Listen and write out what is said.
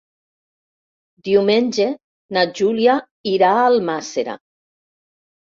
Diumenge na Júlia irà a Almàssera.